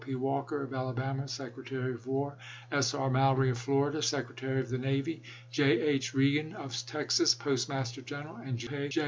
P. Walker, of Alabama, Secretary of War ; S. R. Mallory, of Florida, Secre tary of the Navy ; J. H. Reagan, of Texas, Post master General ; and J.